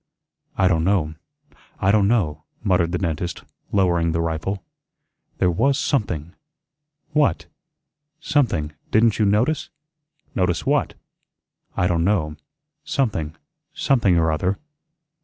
"I don' know, I don' know," muttered the dentist, lowering the rifle. "There was something." "What?" "Something didn't you notice?" "Notice what?" "I don' know. Something something or other."